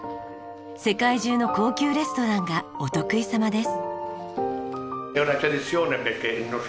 世界中の高級レストランがお得意様です。